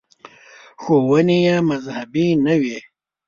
• ښوونې یې مذهبي نه وې.